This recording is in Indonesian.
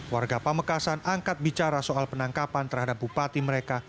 warga pamekasan angkat bicara soal penangkapan terhadap bupati mereka